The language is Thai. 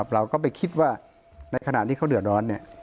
เราก็ไปคิดว่าในขณะที่เขาเดือดร้อน